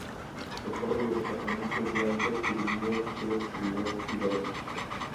Recorre los departamentos de Altos Pirineos, Gers y Lot y Garona.